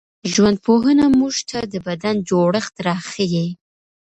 ژوندپوهنه موږ ته د بدن جوړښت راښيي.